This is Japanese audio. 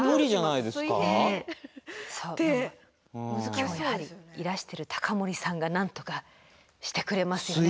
今日やはりいらしてる高森さんがなんとかしてくれますよね？